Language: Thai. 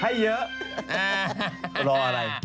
ให้เยอะ